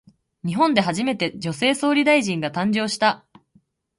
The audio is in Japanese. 日本で初めて、女性総理大臣が誕生した。